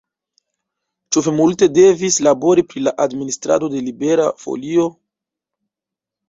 Ĉu vi multe devis labori pri la administrado de Libera Folio?